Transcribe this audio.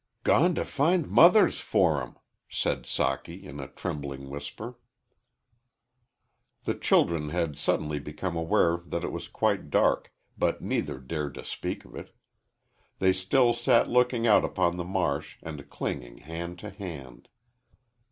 "Gone to find mothers for 'em," said Socky, in a trembling whisper. The children had suddenly become aware that it was quite dark, but neither dared speak of it. They still sat looking out upon the marsh and clinging hand to hand.